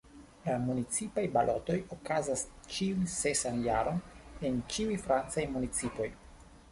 La municipaj balotoj okazas ĉiun sesan jaron en ĉiuj francaj municipoj.